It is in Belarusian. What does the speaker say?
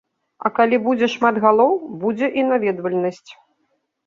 А калі будзе шмат галоў, будзе і наведвальнасць.